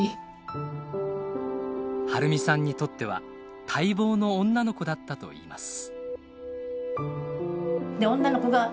春美さんにとっては待望の女の子だったといいます。